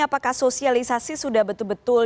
apakah sosialisasi sudah betul betul